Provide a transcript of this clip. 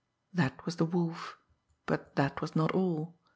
That was the Wolf but that was not all!